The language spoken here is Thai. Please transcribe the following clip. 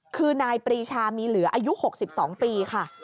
คือนายปรีชามีเหลืออายุ๖๒ปีค่ะ